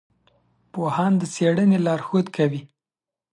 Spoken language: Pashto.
پوهان د څېړنې لارښود کوي.